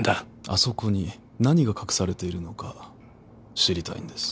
あそこに何が隠されているのか知りたいんです。